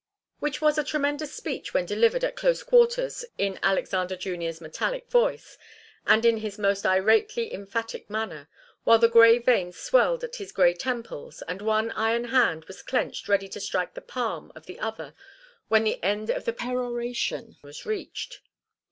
Which was a tremendous speech when delivered at close quarters in Alexander Junior's metallic voice, and in his most irately emphatic manner, while the grey veins swelled at his grey temples, and one iron hand was clenched ready to strike the palm of the other when the end of the peroration was reached.